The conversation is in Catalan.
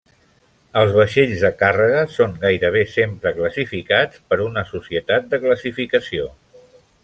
Els vaixells de càrrega són gairebé sempre classificats per una societat de classificació.